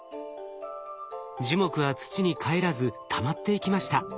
樹木は土にかえらずたまっていきました。